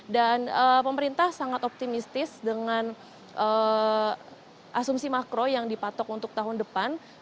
dan pemerintah sangat optimistis dengan asumsi makro yang dipatok untuk tahun depan